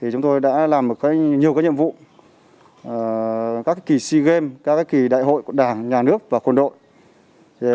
chúng tôi đã làm nhiều cái nhiệm vụ các kỳ si game các kỳ đại hội của đảng nhà nước và quân đội